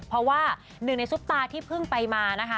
เพราะว่าหนึ่งในซุปตาที่เพิ่งไปมานะคะ